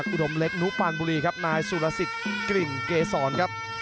อุดมเล็กนุพันธ์บุรีครับนายสุรสิทธิ์กลิ่นเกษรครับ